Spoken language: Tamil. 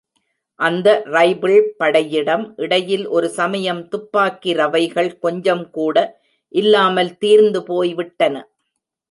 அந்த ரைபிள் படையிடம் இடையில் ஒரு சமயம், துப்பாக்கி ரவைகள் கொஞ்சம் கூட இல்லாமல் தீர்ந்துபோய்விட்டன.